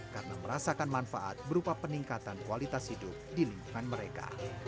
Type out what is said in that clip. karena merasakan manfaat berupa peningkatan kualitas hidup di lingkungan mereka